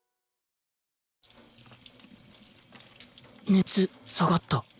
熱下がった。